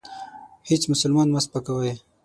هیڅ مسلمان مه سپکوئ.